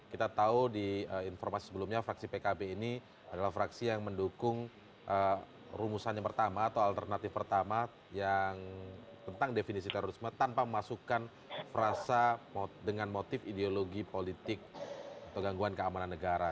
kita tahu di informasi sebelumnya fraksi pkb ini adalah fraksi yang mendukung rumusan yang pertama atau alternatif pertama yang tentang definisi terorisme tanpa memasukkan frasa dengan motif ideologi politik atau gangguan keamanan negara